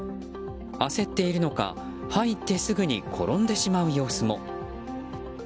焦っているのか、入ってすぐに転んでしまう様子も。